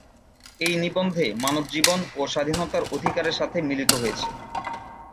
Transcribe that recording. এই নিবন্ধে মানব জীবন ও স্বাধীনতার অধিকারের সাথে মিলিত হয়েছে।